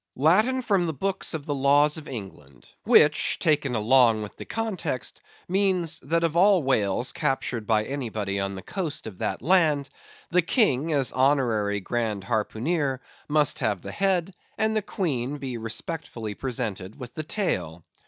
_ Latin from the books of the Laws of England, which taken along with the context, means, that of all whales captured by anybody on the coast of that land, the King, as Honorary Grand Harpooneer, must have the head, and the Queen be respectfully presented with the tail.